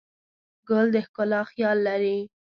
ګل د ښکلا خیال لري.